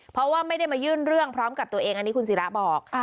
เพราะว่าไม่ได้มายื่นเรื่องพร้อมกับตัวเองอันนี้คุณศิราบอก